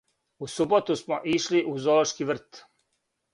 У суботу смо ишли у зоолошки врт.